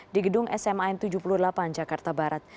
di gedung sman tujuh puluh delapan jakarta barat